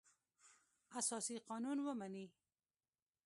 اساسي قانون ومني.